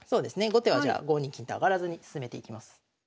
後手はじゃあ５二金と上がらずに進めていきます。